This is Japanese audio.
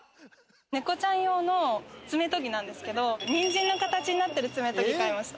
猫ちゃん用の爪とぎなんですけど、にんじんの形になっている爪とぎを買いました。